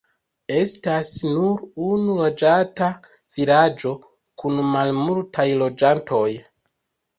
Estas nur unu loĝata vilaĝo kun malmultaj loĝantoj.